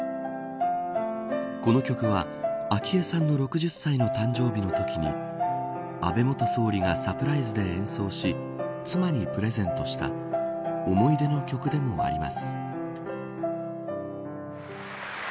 この曲は、昭恵さんの６０歳の誕生日のときに安倍元総理がサプライズで演奏し妻にプレゼントした思い出の曲でもあります。